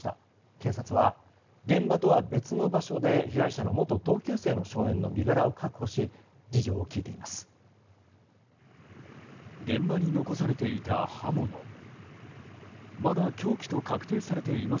警察は、現場とは別の場所で被害者の元同級生の少年の身柄を確保し事情を聴いています。